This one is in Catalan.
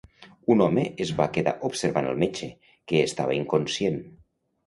Un home es va quedar observant el metge, que estava inconscient.